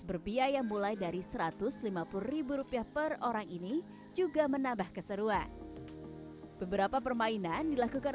berbiaya mulai dari satu ratus lima puluh rupiah per orang ini juga menambah keseruan beberapa permainan dilakukan